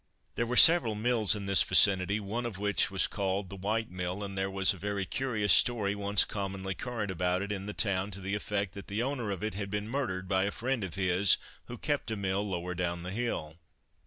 There were several mills in this vicinity, one of which was called the White Mill, and there was a very curious story once commonly current about it, in the town to the effect that the owner of it had been murdered by a friend of his who kept a mill lower down the hill.